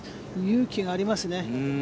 勇気がありますね。